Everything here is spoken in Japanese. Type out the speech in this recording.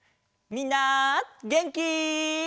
みんなげんき？